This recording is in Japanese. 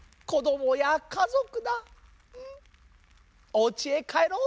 おうちへかえろう。